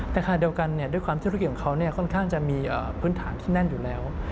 แต่คราเดียวกันด้วยความที่ธุรกิจของเขาค่อนข้างจะมีพื้นฐานที่แน่นอยู่แล้ว